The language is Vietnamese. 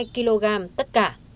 bảy mươi hai kg tất cả